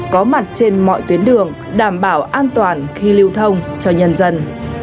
có mặt trên mọi tuyến đường đảm bảo an toàn khi lưu thông cho nhân dân